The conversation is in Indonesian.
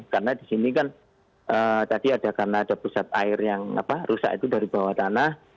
karena di sini kan tadi ada karena ada pusat air yang rusak itu dari bawah tanah